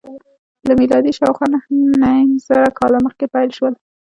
له میلاده شاوخوا نهه نیم زره کاله مخکې پیل شول.